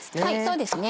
そうですね。